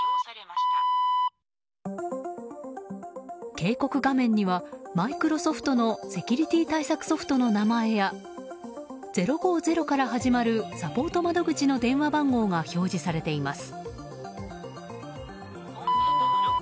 警告画面にはマイクロソフトのセキュリティー対策ソフトの名前や０５０から始まるサポート窓口の電話番号が表示されています。